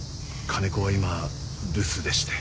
金子は今留守でして。